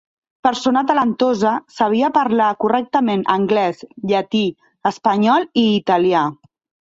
Persona talentosa, sabia parlar correctament anglès, llatí, espanyol, i italià.